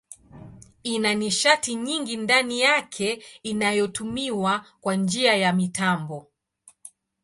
Ina nishati nyingi ndani yake inayotumiwa kwa njia ya mitambo.